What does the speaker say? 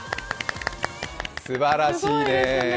すばらしいね。